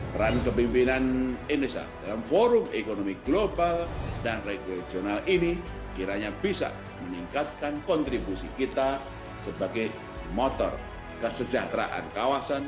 peran kepimpinan indonesia dalam forum ekonomi global dan regional ini kiranya bisa meningkatkan kontribusi kita sebagai motor kesejahteraan kawasan